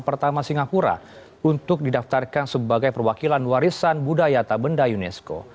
pertama singapura untuk didaftarkan sebagai perwakilan warisan budaya tabenda unesco